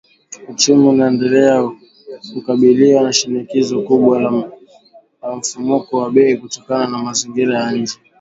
"Uchumi unaendelea kukabiliwa na shinikizo kubwa la mfumuko wa bei kutokana na mazingira ya nje